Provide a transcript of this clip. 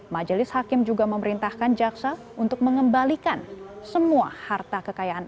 majelis hakim juga memerintahkan jaksa untuk mengembalikan semua harta kekayaan